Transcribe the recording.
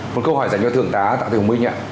một câu hỏi dành cho thượng tá tạ thượng minh ạ